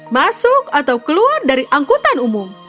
masuk atau keluar dari angkutan umum